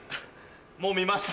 もう見ました。